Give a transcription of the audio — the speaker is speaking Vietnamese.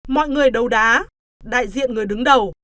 mọi người đấu đá đại diện người đứng đầu